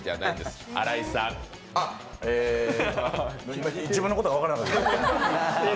あ、自分のことが分からなくなった。